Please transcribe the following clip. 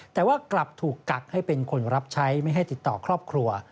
แต่ว่ากลับถูกกักให้เป็นคนรับใช้ไม่ให้ติดต่อครอบครัว